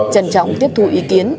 trần trọng tiếp thụ ý kiến